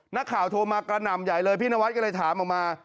นักข่าวโทรมากระหน่ำใหญ่เลยพี่นวัดก็เลยถามออกมา